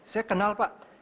saya kenal pak